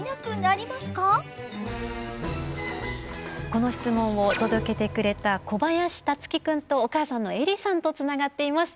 この質問を届けてくれた小林樹生くんとお母さんの恵理さんとつながっています。